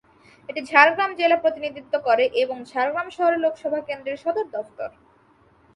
এটি ঝাড়গ্রাম জেলা প্রতিনিধিত্ব করে এবং ঝাড়গ্রাম শহরে লোকসভা কেন্দ্রের সদর দফতর।